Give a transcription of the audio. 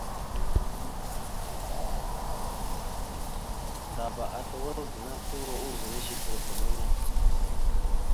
Ŋgaba ata wal gaŋa turo ozum zigəla ga muyang.